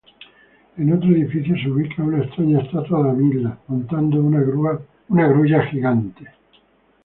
En otro edificio, se ubica una extraña estatua de Amida montando una grulla gigante.